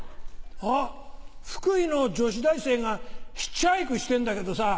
あっ福井の女子大生がヒッチハイクしてんだけどさ